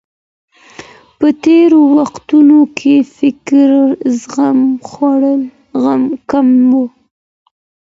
په تېرو وختونو کي فکري زغم خورا کم وو.